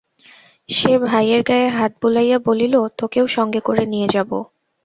সে ভাই-এর গায়ে হাত বুলাইয়া বলিল, তোকেও সঙ্গে করে নিয়ে যাবো।